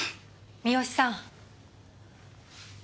三好さん！